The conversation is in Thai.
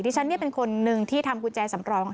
ฉันเป็นคนนึงที่ทำกุญแจสำรอง